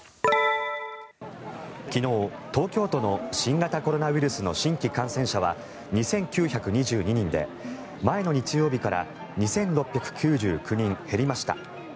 昨日、東京都の新型コロナウイルスの新規感染者は２９２２人で前の日曜日から２６９９人減りました。